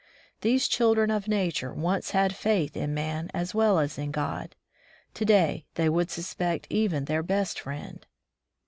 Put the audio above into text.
These children of nature once had faith in man as well as in God. To day, they would suspect even their best friend.